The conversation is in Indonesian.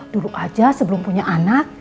duduk aja sebelum punya anak